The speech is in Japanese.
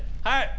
はい。